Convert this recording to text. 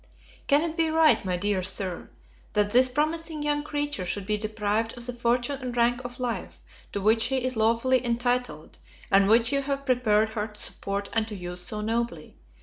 Can it be right, my dear Sir, that this promising young creature should be deprived of the fortune and rank of life to which she is lawfully entitled, and which you have prepared her to support and to use so nobly?